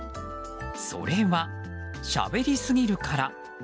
それは、しゃべりすぎるから。